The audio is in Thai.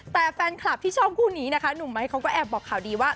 แต่แฟนคลับที่ชอบคู่นี้นะคะหนุ่มไม้เขาก็แอบบอกข่าวดีว่า